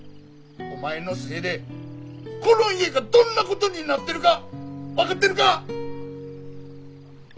お前のせいでこの家がどんなことになってるか分かってるか！